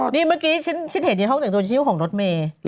นี่เมื่อกี้ฉันเห็นชิ้นเชิงโนะคะของรถเมล